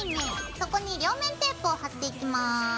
そこに両面テープを貼っていきます。